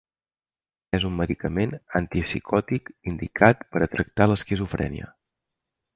És un medicament antipsicòtic indicat per a tractar l'esquizofrènia.